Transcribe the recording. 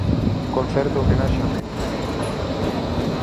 Concerto homenaxe a metro.